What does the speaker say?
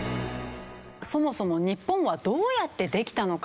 そもそも日本はどうやってできたのか？